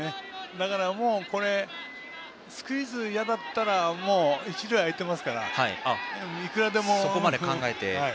だから、スクイズ嫌だったら一塁が空いていますからいくらでも。